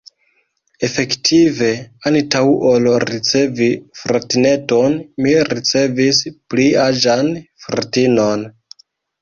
Efektive, antaŭ ol ricevi fratineton, mi ricevis pliaĝan fratinon!